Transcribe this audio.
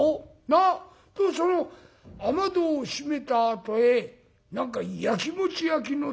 なあ？とその雨戸を閉めたあとへ何かやきもちやきの亭主野郎がな